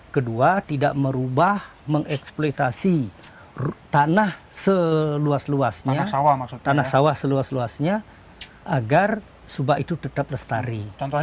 kedua tidak merubah mengeksploitasi tanah seluas luasnya agar subah itu tetap lestari